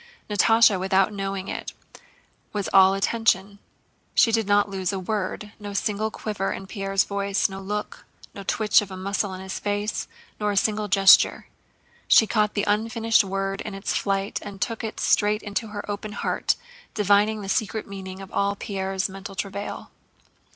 Natásha without knowing it was all attention: she did not lose a word, no single quiver in Pierre's voice, no look, no twitch of a muscle in his face, nor a single gesture. She caught the unfinished word in its flight and took it straight into her open heart, divining the secret meaning of all Pierre's mental travail.